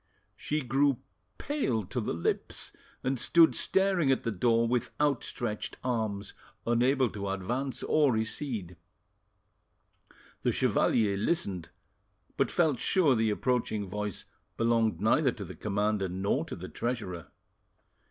She grew pale to the lips, and stood staring at the door with outstretched arms, unable to advance or recede. The chevalier listened, but felt sure the approaching voice belonged neither to the commander nor to the treasurer.